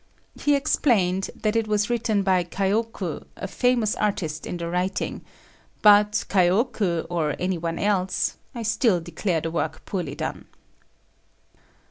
He explained that it was written by Kaioku a famous artist in the writing, but Kaioku or anyone else, I still declare the work poorly done.